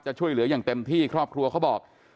ช่วยเหลืออย่างเต็มที่ครอบครัวเขาบอก